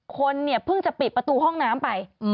คนเนี่ยเพิ่งจะปิดประตูห้องน้ำไป